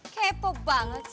kebawa banget sih